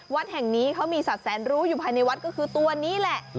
วัดแห่งนี้เขามีสัตว์แสนรู้อยู่ภายในวัดก็คือตัวนี้แหละ